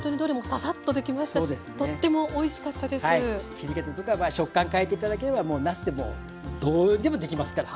切り方とかは食感変えて頂ければなすでもうどうにでもできますから。